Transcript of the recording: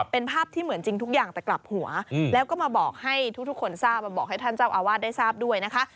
เป็นภาพที่เหมือนจริงทุกอย่างแต่กลับหัวแล้วก็มาบอกให้ทุกคนทราบมาบอกให้ท่านเจ้าอาวาสได้ทราบด้วยนะคะ